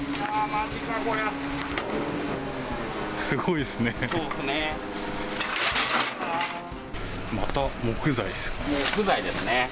すごいですね。